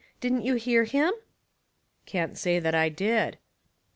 Didn't you hear him ?"" Can't say that I did."